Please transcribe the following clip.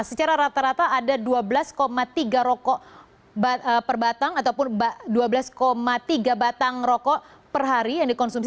secara rata rata ada dua belas tiga batang rokok per hari yang dikonsumsi